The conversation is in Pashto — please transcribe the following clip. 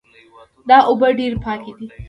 دا اوبه ډېرې پاکې دي